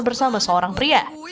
bersama seorang pria